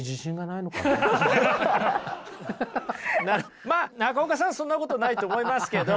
まあ中岡さんそんなことないと思いますけど。